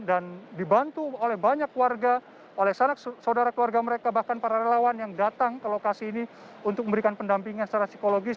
dan dibantu oleh banyak warga oleh anak saudara keluarga mereka bahkan para relawan yang datang ke lokasi ini untuk memberikan pendampingan secara psikologis